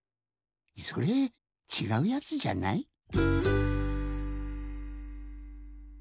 それちがうやつじゃない？